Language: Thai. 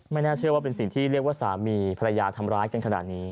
น่าเชื่อว่าเป็นสิ่งที่เรียกว่าสามีภรรยาทำร้ายกันขนาดนี้